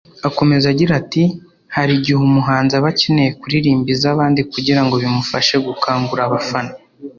Akomeza agira ati “Hari igihe umuhanzi aba akeneye kuririmba iz’abandi kugira ngo bimufashe gukangura abafana